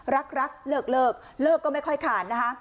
รักรักเลิกเลิกก็ไม่ค่อยขาดนะคะ